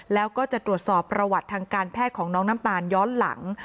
แล้วก็จะตรวจสอบประวัติทางการแพทย์ของน้องน้ำตาลย้อนหลัง